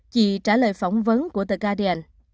chị trả lời phỏng vấn của the guardian